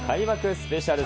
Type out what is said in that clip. スペシャル。